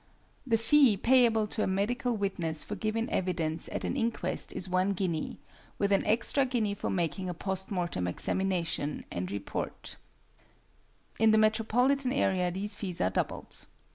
The fee payable to a medical witness for giving evidence at an inquest is one guinea, with an extra guinea for making a post mortem examination and report (in the metropolitan area these fees are doubled).